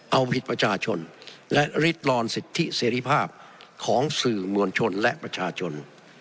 เอาผิดประชาชนและริดรอนสิทธิเสรีภาพของสื่อมวลชนและประชาชน